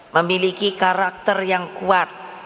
memiliki karakter yang kuat